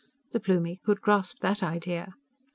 The Plumie could grasp that idea.